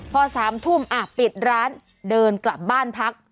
พอ๓ทุ่มปิดร้านเดินกลับบ้านพัก